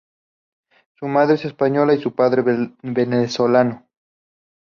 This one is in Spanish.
Su madre es española y su padre, venezolano.